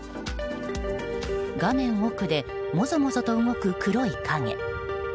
画面奥でモゾモゾと動く黒い影。